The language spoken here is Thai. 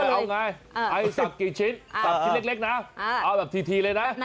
อ้าวไอ้สับกี่ชิ้นชิ้นเล็กนะเออแบบทีเลยนะ